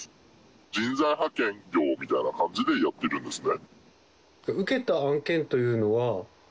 人材派遣業みたいな感じでやってるんですね。